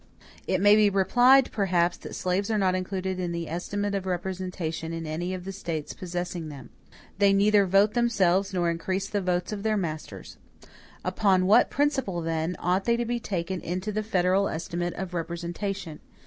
"It may be replied, perhaps, that slaves are not included in the estimate of representatives in any of the States possessing them. They neither vote themselves nor increase the votes of their masters. Upon what principle, then, ought they to be taken into the federal estimate of representation?